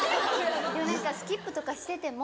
でも何かスキップとかしてても。